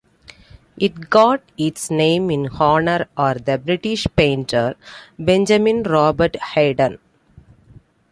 It got its name in honor or the British painter, Benjamin Robert Haydon.